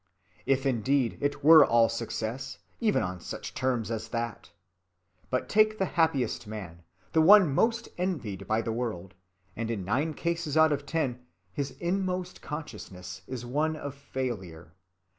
If indeed it were all success, even on such terms as that! But take the happiest man, the one most envied by the world, and in nine cases out of ten his inmost consciousness is one of failure.